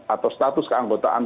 atau status keanggotaan